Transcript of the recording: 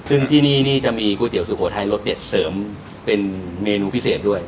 ซึ่งที่นี่นี่จะมีก๋วยเตี๋สุโขทัยรสเด็ดเสริมเป็นเมนูพิเศษด้วย